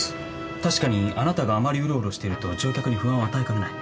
確かにあなたがあまりうろうろしてると乗客に不安を与えかねない。